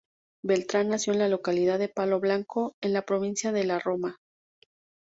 Beltrán nació en la localidad de Palo Blanco, en la provincia de La Romana.